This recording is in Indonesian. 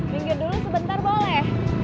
minggir dulu sebentar boleh